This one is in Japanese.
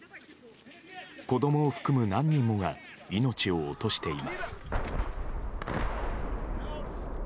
子供を含む何人もが命を落としています。